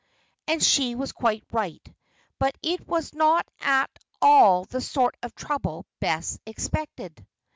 And she was quite right; but it was not at all the sort of trouble Bess expected.